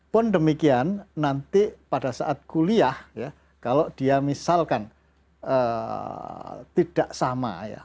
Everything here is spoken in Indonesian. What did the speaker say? pun demikian nanti pada saat kuliah kalau dia misalkan tidak sama ya